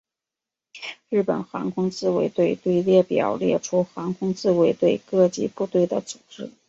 日本航空自卫队队列表列出航空自卫队各级部队的组织。